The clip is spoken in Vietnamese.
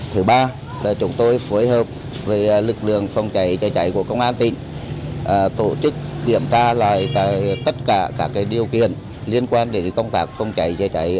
thứ ba là chúng tôi phối hợp với lực lượng phòng cháy chữa cháy của công an tỉnh tổ chức kiểm tra lại tất cả các điều kiện liên quan đến công tác phòng cháy chữa cháy